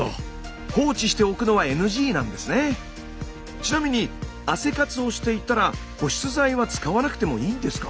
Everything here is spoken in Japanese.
ちなみに汗活をしていたら保湿剤は使わなくてもいいんですか？